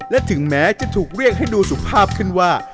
และถึงแม้จะถูกเรียกให้ดูสุภาพขึ้นว่า